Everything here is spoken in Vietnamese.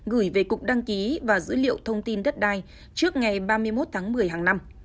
gửi về cục đăng ký và dữ liệu thông tin đất đai trước ngày ba mươi một tháng một mươi hàng năm